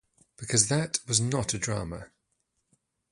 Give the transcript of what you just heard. Because that was not a drama.